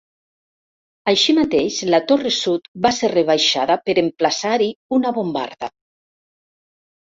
Així mateix, la torre sud va ser rebaixada per emplaçar-hi una bombarda.